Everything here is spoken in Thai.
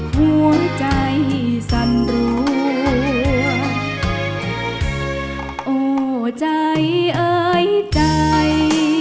หัวใจสั่นรัวโอ้ใจเอ้ยใจ